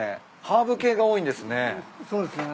ハーブ系が多いんですね。